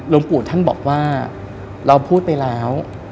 ปู่ท่านบอกว่าเราพูดไปแล้ว